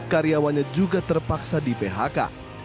karyawannya juga terpaksa di phk